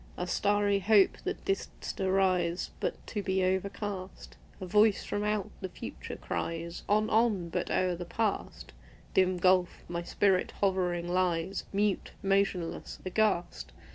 Ah, starry Hope! that didst arise But to be overcast! A voice from out the Future cries, "On! on!" but o'er the Past (Dim gulf!) my spirit hovering lies Mute, motionless, aghast!